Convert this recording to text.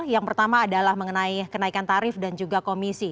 yang pertama adalah mengenai kenaikan tarif dan juga komisi